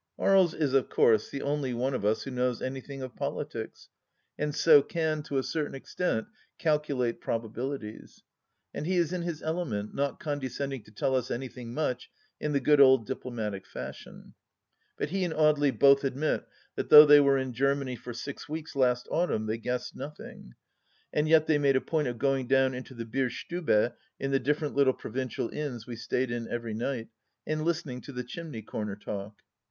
Aries is of course the only one of us who knows anything of politics, and so can, to a certain extent, calculate proba bilities. And he is in his element, not condescending to tell us anything much, in the good old diplomatic fashion. But he and Audely both admit that though they were in Germany for six weeks last autumn, they g:uessed nothing ; and yet they made a point of going down into the Bier stuhe in the different little provincial inns we stayed in every night, and listening to the chimney comer talk.